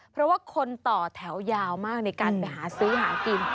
เพราะว่าคนต่อแถวยาวมากในการไปหาซื้อหากิน